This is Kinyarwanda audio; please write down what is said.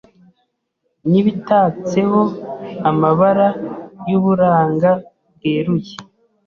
N'ibitatseho amabara Y'uburanga bweruye